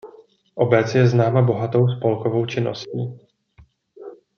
Obec je známa bohatou spolkovou činností.